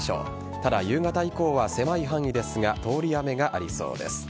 ただ、夕方以降は狭い範囲ですが通り雨がありそうです。